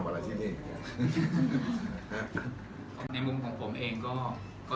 ทำอะไรที่นี่ฮะในมุมของผมเองก็